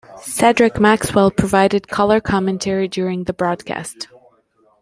Cedric Maxwell provided color commentary during the broadcast.